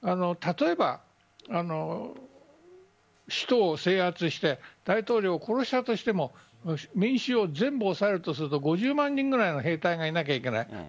例えば首都を制圧して大統領を殺したとしても民衆を全部抑えるとすると５０万人ぐらいの兵隊がいないとけない。